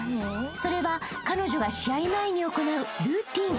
［それは彼女が試合前に行うルーティン］